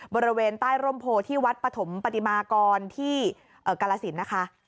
บริเวณใต้ร่มโพที่วัดปฐมปฏิมากรที่กาลสินนะคะ